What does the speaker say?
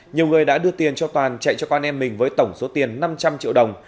nhiều người đã đưa tiền cho toàn chạy cho con em mình với tổng số tiền năm trăm linh triệu đồng